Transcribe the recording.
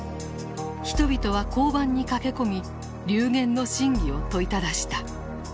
人々は交番に駆け込み流言の真偽を問いただした。